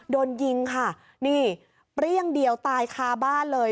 โดนยิงค่ะนี่เปรี้ยงเดียวตายคาบ้านเลย